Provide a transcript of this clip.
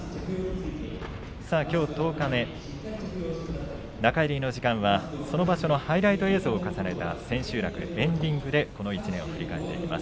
きょう十日目、中入りの時間はその場所のハイライト映像を重ねた千秋楽エンディングでこの１年を振り返っていきます。